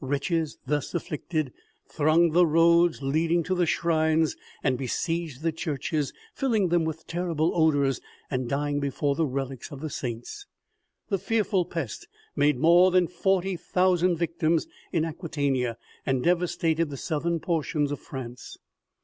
Wretches thus afflicted thronged the roads leading to the shrines and besieged the churches, filling them with terrible odors, and dying before the relics of the saints. The fearful pest made more than forty thousand victims in Acquitania, and devastated the southern portions of France.